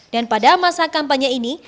dan pada masa kampanye ini